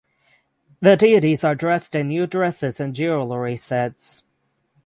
The deities are dressed in new dresses and jewellery sets.